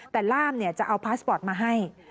แต่ล่ามจะเอาพาสปอร์ตมาให้